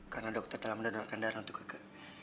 karena dokter telah mendonorkan darah untuk keke